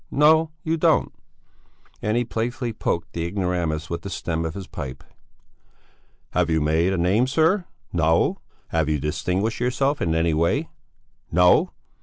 No, you don't." And he playfully poked the ignoramus with the stem of his pipe. "Have you made a name, sir? No! Have you distinguished yourself in any way? No!"